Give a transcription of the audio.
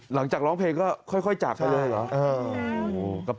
หลังจากร้องเพลงก็ค่อยจากไปเลยเหรอ